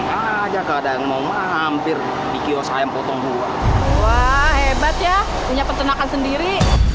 aja kadang mau mampir di kiosk ayam potong buah hebat ya punya peternakan sendiri